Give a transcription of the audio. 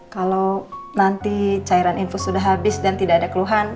kalau nanti cairan infus sudah habis dan tidak ada keluhan